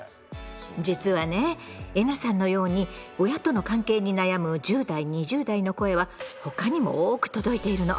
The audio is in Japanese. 実はねえなさんのように親との関係に悩む１０代２０代の声は他にも多く届いているの。